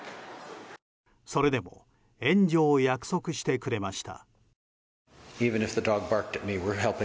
それでも援助を約束してくれました。